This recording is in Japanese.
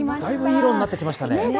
だいぶいい色になってきましたね。